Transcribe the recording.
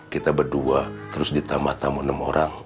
kita berdua terus ditambah tamu enam orang